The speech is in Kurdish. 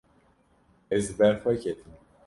Ez li ber xwe ketim.